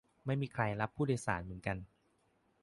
ไม่มีใครรับผู้โดยสารเหมือนกัน